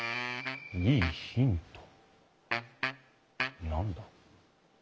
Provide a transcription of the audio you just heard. いいヒント何だ？